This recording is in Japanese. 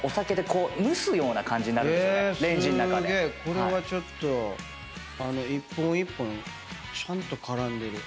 これはちょっと一本一本ちゃんと絡んでる。